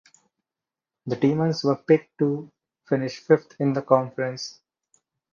The Demons were picked to finish fifth in the conference.